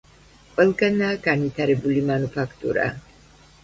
ყველგანაა განვითარებული მანუფაქტურა.